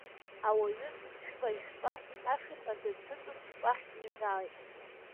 Ауаҩы шәпа-жәпа, ашырҳәа дынҭыҵын, уахь дныҩналеит.